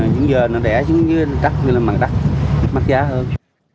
trứng gơm nó đẻ trứng trắc trứng mặt trắc mắc giá hơn